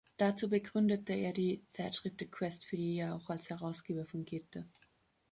Dazu begründete er die Zeitschrift "The Quest", für die er auch als Herausgeber fungierte.